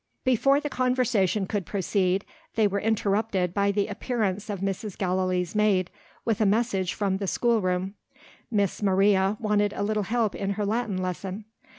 Before the conversation could proceed, they were interrupted by the appearance of Mrs. Gallilee's maid, with a message from the schoolroom. Miss Maria wanted a little help in her Latin lesson.